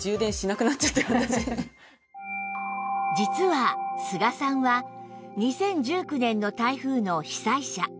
実は須賀さんは２０１９年の台風の被災者